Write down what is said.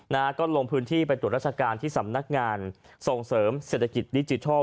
นะฮะก็ลงพื้นที่ไปตรวจราชการที่สำนักงานส่งเสริมเศรษฐกิจดิจิทัล